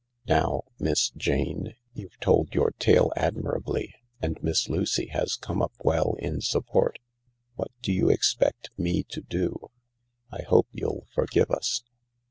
Now, Miss — Jane, you've told your tale admirably* And Miss Lucy has come up well in sup port. What (Jo you expect me to do ?"" I hope you'll forgive us."